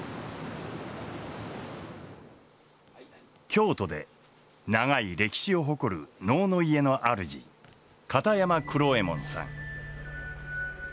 京都で長い歴史を誇る能の家の主片山九郎右衛門さん。